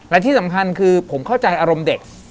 และที่สำคัญคือผมเข้าใจอารมณ์เด็ก